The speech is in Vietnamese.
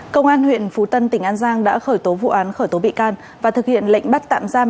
công an huyện phú tân tỉnh an giang đã khởi tố vụ án khởi tố bị can và thực hiện lệnh bắt tạm giam